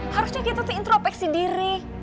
harusnya kita tuh intropeksi diri